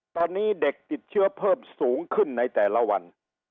ตอนนี้เด็กติดเชื้อเพิ่มสูงขึ้นในแต่ละวัน